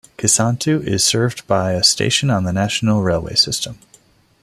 Kisantu is served by a station on the national railway system.